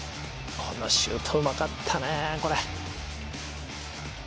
シュートうまかったね、これ。